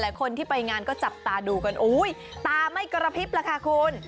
คนที่ไปงานก็จับตาดูกันอุ้ยตาไม่กระพริบล่ะค่ะคุณ